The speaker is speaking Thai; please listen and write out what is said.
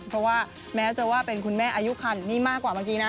เพราะว่าแม้จะว่าเป็นคุณแม่อายุคันนี่มากกว่าเมื่อกี้นะ